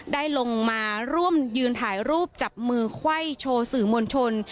ได้ลงมาร่วมยืนถ่ายรูปจับมือไขว้โชว์สื่อมวลชน